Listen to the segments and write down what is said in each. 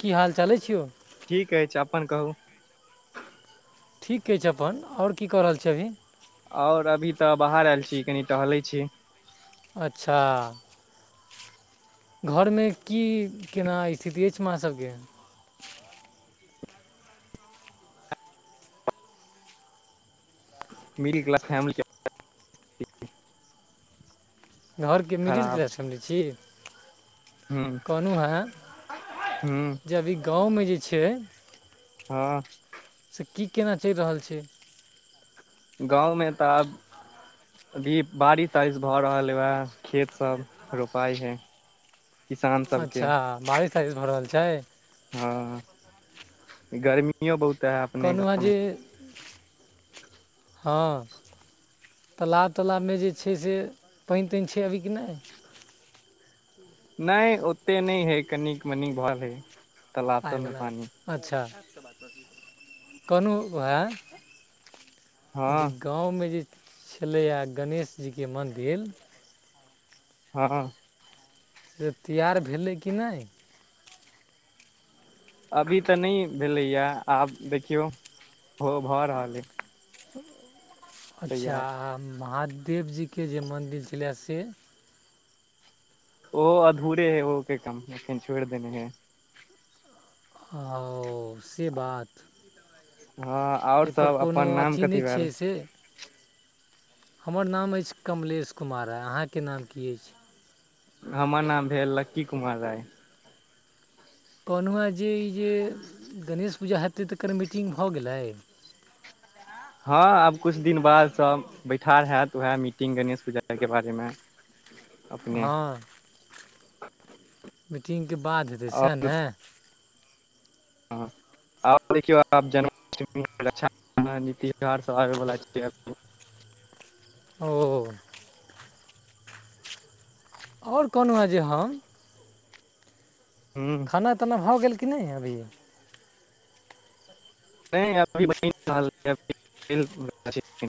की हाल चाल अइछ यौ? किकहै छियै, अपन कहू? ठीक अछि अपन, आओर की कऽ रहल छी अभी? आओर अभी तऽ, बाहर आयल छी, कनी टहलैत छी। अच्छा! घरमे की -केना स्थिति अछि, माँ सबके? मिडिल क्लास फैमिली के [unintelligible] घरके मिडिल खराब क्लास फैमिली छी। हूँ कहलहुँ हेँ, हूँ जे अभी गाँवमे जे छै। हँ। से की केना चलि रहल छै? गाँवमे तऽ आब अभी बारिश- तारिश भऽ रहल है, वैह खेत सब रोपाइ है। किसान सबके अच्छा! बारिश- तारिश भऽ रहल छै। हँ, गर्मी गर्मीयो बहुत है। अपने कहलहु हँ गाँव मे जे, हँ। तालाब तालाबमे जे छै से, पानि -तानि छै अभी कि नहि? नहि ओते नहि है, कनिक मनी भर हय। पइवला अच्छा! कोनू वए हँ [inaudible] गाँवमे जे छलैए गणेश जीके मन्दिर! हँ-हँ। से तैआर भेलै कि नहि? अभी तऽ नहि भेलैए, आब देखियौ हो भऽ रहल अइ। अच्छा! तैयार महादेव जीके जे मन्दिर छलै से? ओ अधूरे है, ओ के काम छोड़ देने है। ओ से बात! हँ आओर एहिपर सब कोनो अपन नाम अथी कथी नहि भेल छै, से। हमर नाम अछि कमलेश कुमार, अहाँके नाम की अछि? [inaudible] हमर नाम भेल लक्की कुमार राय। कहलहुँ हँ जे ई जे गणेश पूजा हेतै, तऽकर मीटिंग भऽ गेलै? हँ आब किछु दिन बाद सब बैठार होैत, उएह मीटिंग गणेश पूजाके बारेमे। अप अपने! हँ मीटिंग के बाद हेतै, सएह ने। हँ। आब देखियौ, आब जन्माष्टमीा, रक्षाबंधनआबैवला छैभ [unintelligible] ओ। आओर कहलहुँ हेँ जे हम। हू। खेनाई -तेनाई भऽ गेल कि नहि अभिय? नहि अभी बईन रहलै या, बनै बला छै।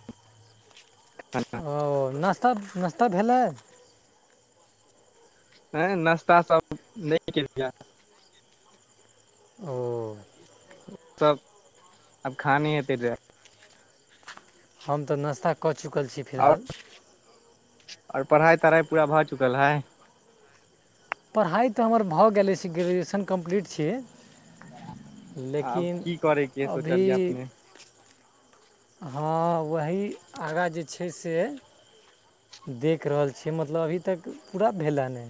एखन। ओ नश्ता नश्ता भेलै? नई नाश्ता सब नहि केलियै या। ओ। सब अब खाने हेएत। हम तऽ नाश्ता कऽ चुकल छी। आओर फिलहाल आओर पढ़ाइ -तढ़ाइ पूरा भऽ चुकल हइ? पढ़ाइ तऽ हमर भऽ गेल अछी, ग्रेजुएशन कम्प्लीट छी। आब लेकिन की करयके अभी सोचलियै अपने हँ, वही आगाँ जे छै से देख रहल छियै, मतलब अभी तक पूरा भेलै है।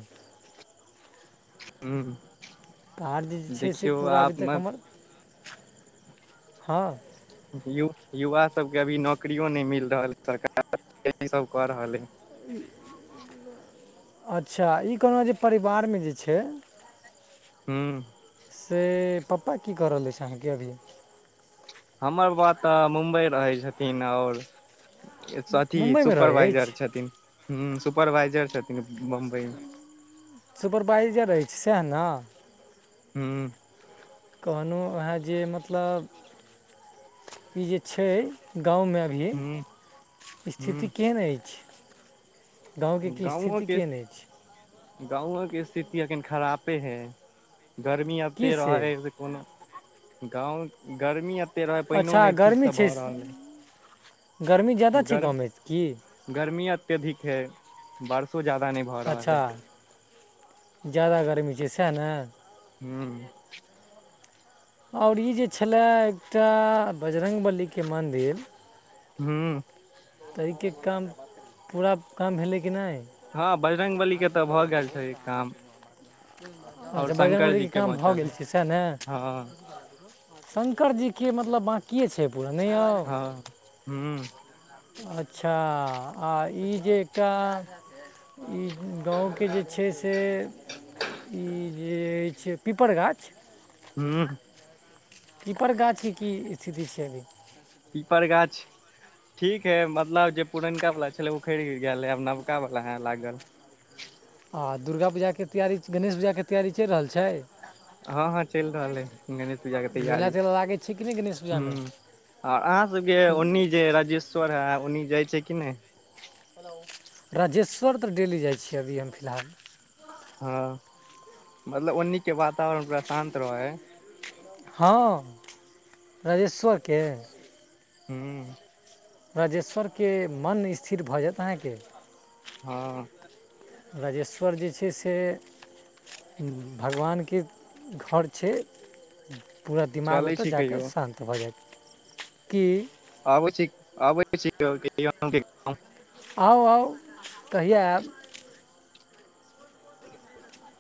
ह्म। तऽ जे जे छै से, पूरा अभी तक हमर हँ। युवा सबके अभी नौकरियो नहि मिल रहल, सरकार कि सब कऽ रहल हइ। अच्छा! ई कहलहुँ हँ जे परिवारमे जे छै। हँ। से पप्पा की क रहल अछि छै, अहाँके अभी? हमर बाबा तऽ मुम्बइ रहै छथिन, आओर अथी मुम्बइमे रहै सुपरवाइजर अछि छथिन, ह सुपरवाइजर छथिन बम्बई मे। सुपरवाइजर रहैत छै सएह ने। हू। कहलौ ह जे, मतलब ई जे छई गांव मे। हूँ अी स्थिति हूँ केहन अछि? गाँवके की स्थिति गाँवकके केहन अछि गाँवके स्थिति अखन खरापे हइ। गर्मी एते रहै हइ, से कोनो गाँव गर्मी रह पाईनो अच्छा नहि ठीक गर्मी से छै भऽ रहल है। गर्मी ज्यादा छै गाँवमे की? गर्मी अत्यधिक है, बर अच्छा! जादा गर्मी छै, सएह ने। हू। आओर ई जे छलै, एकटा बजरङ्गबलीके मन्दिर! हू। तऽ एहिके काम पूरा काम भेलै कि नहि? हँ बजरङ्ंग बली के तऽ भऽ गेल छै काम। और अच्छा! शंकर जी बजरङ्गलीके के काम भऽ बचल गेल है छै, सएह ने। हँ शङ्करजीके मतलब बाँकिए छै पूरा नहि आउ? हँ हूँ अच्छा! आ ई जे एकटा ई गाँवके जे छै से ई जे अछि पीपर गाछ। हू। पीपड़ गाछ के की स्थिति छै अभी? पीपर गाछ! ठीक है, मतलब जे पुरनका वाला छले उखैड़ गेल है, आब नबका वाला है लागल। आ दुर्गा पूजाके तैयारी, गणेश पूजाके तैयारी चलि रहल छै। हँ- हँ, चलि रहल है गणेश पूजाके मेला तैयारी। तेला लागै छै कि नहि गणेश पूजामे ह आर अहाँ सबके ओन्नी जे, राजेश्वर है ओन्नी जाइ छै कि नहि। राजेश्वर तऽ डेली जाइ छियै अभी हम फिलहाल। हँ मतलब ओन्नी के वातावरण पूरा शान्त रहै है। हँ, राजेश्वर के। हूँ। राजेश्वर के मन स्थिर भऽ जायत अहाँके। हँऽ। राजेश्वर जे छै से भगवान के घर छै। पूरा दिमाग चलै ओतऽ छी जाकऽ कहियो शान्त भऽ जायत, किऽ। आबै छी आबै छी [unintelligible] आउ! आउ! कहिया आएब?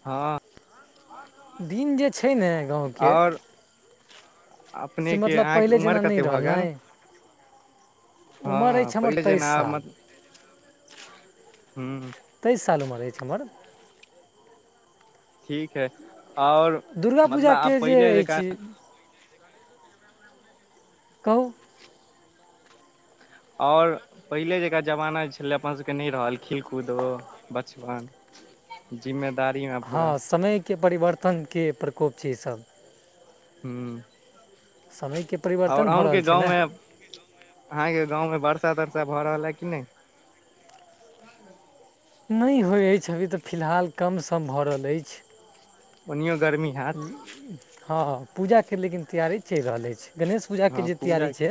हँऽ, दिन जे छै ने गाँवके आओर। से अपनेके मतलब अहाँके पहिले उमर जेना नहि कते भऽ रहल ने गेल [inaudible] उमर हँ अछि हमर पहिले तेइस जेना आब साल। मत हूँ [inaudible] तेइस साल उमर अछि हमर। [inaudible] ठीक हइ, आओर दुर्गा मतलब आब पूजाके जे पहिले जेका अछि कहु। आओर पहिले जकाँ जमाना जे छलै, अपन सबके नहि रहल खेलकूदो। बचपन। जिम्मेदारीयाँ। हँ समय के परिवर्तन के प्रकोप छै ई सभ। हूँ। समय के। और अहूँके गाँवमे, अहाँके गाँवमे वर्षा तरसा भऽ रहल ऐ कि नहि? नहि होइ अछि, अभी तऽ फिलहाल कम- सम भऽ रहल अछि। ओनियो गर्मी हैत हँ, पूजाके लेकिन तैयारी चैल रहल अछि, गणेश पूजाके हँ जे तैयारी पूजा छै,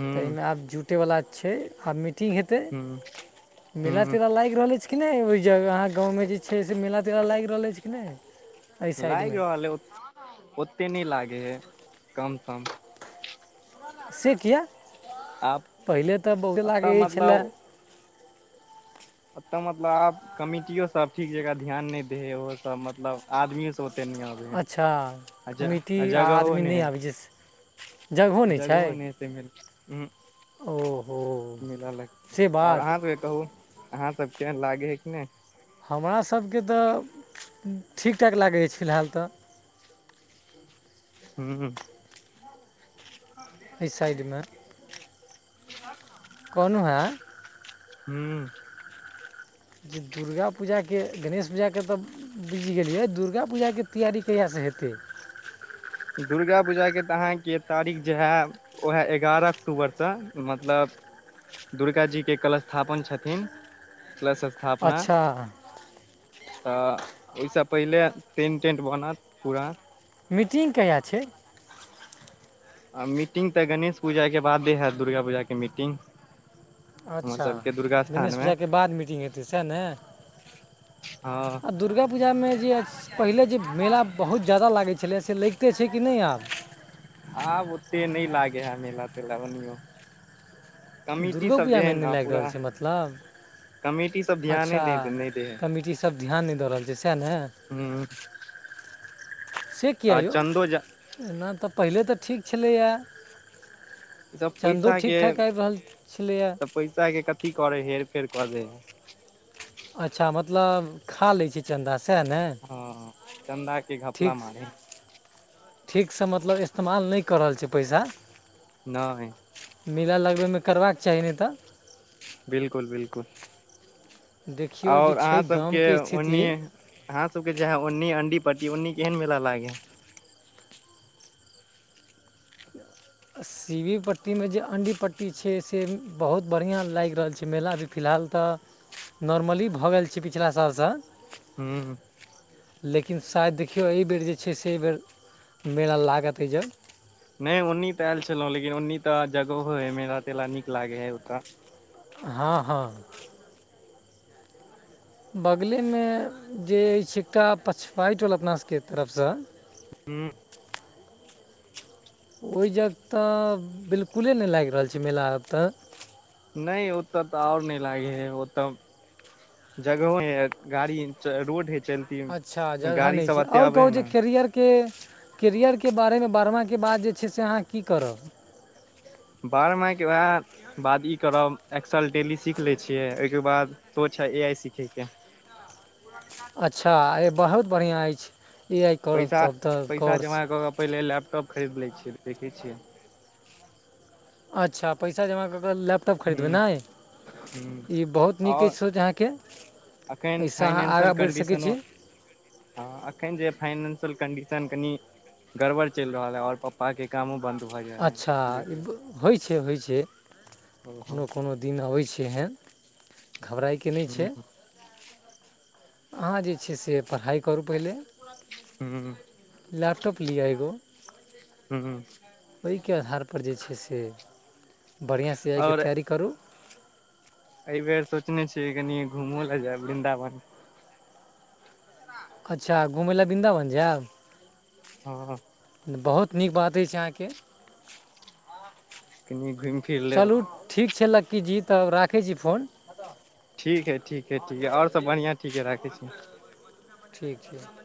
हूँ तऽहिमे आब जुटैवला छै, अखन मीटिंग हे तै, हूँ मेला हूँ -तेला लाइग लाग रहल अछि कि नहि, ओ जगह अहाँ गाँंअमे जे छै से मेला -तेला लागि रहल अछि कि नहि? एहि लागि साइडमे रहल ऐ, ओ ओते नहि लागै हइ, कम -सम। से किया आब पहिले तऽ बहुते अतऽ लागै छलै मतलब अतऽ मतलब आब कमिटियो सब ठीक जका ध्यान नहि दै है, ओहो सब मतलब आदमीयो सब ते नहि आबे है, अच्छा कमिटी आ जगहो आदमी नहि है। आबै छै जगहो नहि हतै, मे ओहो मेला लगतै से और बात अहाँ कहू अहाँ सब केहन लागे है कि नहि? हमरा सबभके तऽ ठीक- ठाक लागै छलै फिलहाल तऽ। हूं। अ [unintelligible] एहि साइडमे। त [unintelligible] कहनो है। हूँ। जे दुर्गा पूजाके, गणेश पूजाके तऽ। बुझी गेलियै, दुर्गा पूजाके तैयरी कहिआँ से हेतै। दुर्गा पूजाके तऽ अहाँके तारीख जे हैव। [inaudible] ओएह एगारह अक्टूबर सँ, मतलब दुर्गा जीके कलश स्थापन छथिन, कलश स्थापना। अच्छा तऽ ओहि सँ पहिले, टेंट-टेंट बनत पूरा। मीटिंग कहिया छै? आ मीटिंग तऽ गणेश पूजाके बादे हैत, दुर्गा पूजाके मीटिंग। हमर अच्छा सबके दुर्गा स्थान गणेश मे जााकके बाद मीटिंग हेतै सएह ने। हँ। आ दुर्गा पूजामे जे अछि। पहिले जे मेला बहुत जाादा लागै छलै, से लगिते छै कि नहि आब? आब ओते नई लागे है मेला -तेला ओनियौ। दुगो पुजा मे नई ने लाइग रहल पूरा छै मतलब, कमेटी सब ध्याने अच्छा! दे नहि दे है मि ईी सब ध्यान नहि दऽ रहल छै, सएह ने। हू। से किआ यौ? चन्दो जा एना तऽ पहिले तऽ ठीक छलैया। सब चदो पैसा ठीक के -ठाक आबि रहल छलैए। तऽ पैसा के कथी करै हइ, हेर -फेर कऽ देै हइ। अच्छा! मतलब खा लै छै, चन्दा सएह ने। हँ, चन्दाक की घपला ठीक मारी ठीकसँ मतलब इस्तेमाल नहि कऽ रहल छ पैसा। नहि। मेला लगबैमे करबाक चाही नहि तऽ। बिल्कुल! बिल्कुल! देखियौ जे आओर छै अहाँसभके गामके स्थिति ओनी अहाँ सबके जे है ओन्नी अंडी पटी न्नी केहन मेला लागे है [unintelligible] सीवी पट्टीमे जे, अणडी पट्टी छै से बहुत बढ़िआँ लागि रहल छै मेला, अभी फिलहाल तऽ नॉर्मली भऽ गेल छै पिछिला सालसँ। हू। लेकिन शायद देखियौ, एहिबेर जे छै से एहिबर मेला लागत एहि ज नहि ओन्नी तऽ आयल छलहुँ, लेकिन ओन्नी तऽ जगहो हय, मेला- तेला नीक लागे हय ओतऽ। हँ- हँ। बगलेमे जे अछि एकटा पछबाय टोल अपना सबके तरफसँ ह। ओहि जग तऽ 'बिलकुले' नहि लागि रहल छै मेला आब तऽ? नहि यो, ओतऽ तऽ आओर नहि लागै हय ओतऽ जगहहों है गाड़ी रोड है चल अच्छा! जगह नहि छै, आओर कहू जे कैरियर के कैरियरके बारेमे बढ़बाकाके बाद जे छै से अहाँ की करब? बारह मा के बाद बाद ई करब, एक्साल डेली सीख ले छियै, ओहिके बाद सोच है ए आइ सीखय के। अच्छा! ई बहुत बढ़िआँ अछि। ए आइ करब पैसा तब तऽ पैसा कोर्स जमा कऽ कऽ पहिले लैपटॉप खरीद लै छियैऽ, देखै छियै। अच्छा! पैसा जमा कर के लेप टाँप ह खरीदबै ने, ह ई बहुत नीक आओर अछि सोच अहाँके! एखन एहिसँ अहाँ आगाँ बढ़ि सकै छी। ह अखन जे फाइनेंशियल कंडीशन कनी गड़बड़ चलि रहल है। और प पापाके कामो बन्द भऽ जाइ है, अच्छा ई देखियो। होइ छै, होइ छै, कोनो- कोनो दिन अबै छै एहन। घबराइके नहि छै। अहाँ जे छै से, पढ़ाइ करू पहिले। ह लैपटॉप लिअ एगो। हू। ओहिके आधारपर जे छै से, बढ़िआँसँ आइके तैयारी करू। एहि बेर सोचने छियै, कनिय घूमो लए जायब वृन्दावन। अच्छा! घुमै लए बृन्दावन जायब? हँ। बहुत नीक बात अछि अहाँके। [unintelligible] कनी घुइम चलू ठीक छै लक्कीजी! तब राखै छी फोन। ठीक हइ, ठीक हइ, ठीक हइ, आओर सभ बढ़िआँ ठीक हइ, राखै छी। ठीक छै।